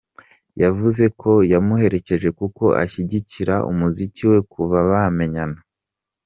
Yavuze ko yamuherekeje kuko ashyigikira umuziki we kuva bamenyana.